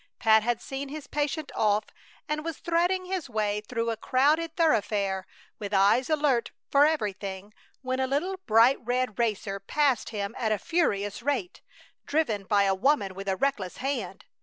Pat had seen his patient off and was threading his way through a crowded thoroughfare, with eyes alert for everything, when a little bright red racer passed him at a furious rate, driven by a woman with a reckless hand.